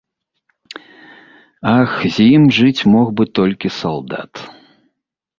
Ах, з ім жыць мог бы толькі салдат.